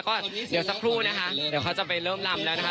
ก็เดี๋ยวสักครู่นะคะเดี๋ยวเขาจะไปเริ่มลำแล้วนะคะ